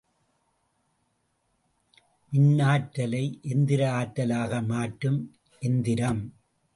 மின்னாற்றலை எந்திர ஆற்றலாக மாற்றும் எந்திரம்.